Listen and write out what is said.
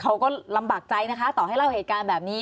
เขาก็ลำบากใจนะคะต่อให้เล่าเหตุการณ์แบบนี้